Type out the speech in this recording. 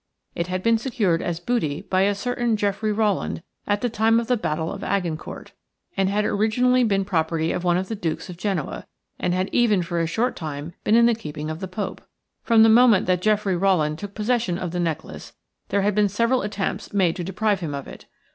It had been secured as booty by a certain Geoffrey Rowland at the time of the Battle of Agincourt, had originally been the property of one of the Dukes of Genoa, and had even for a short time been in the keeping of the Pope. From the moment that Geoffrey Rowland took possession of the necklace there had been several attempts made to deprive him of it.